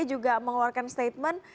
juga mengeluarkan statement